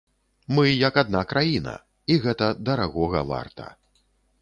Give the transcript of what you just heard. Мы як адна краіна, і гэта дарагога варта.